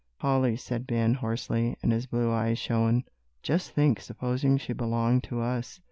"Polly," said Ben, hoarsely, and his blue eyes shone, "just think, supposing she belonged to us."